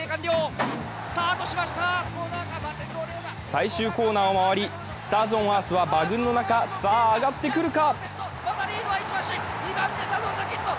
最終コーナーを回りスターズオンアースは馬群の中、さあ上がってくるか。